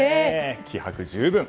気迫十分。